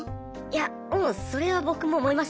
いやもうそれは僕も思いますよ。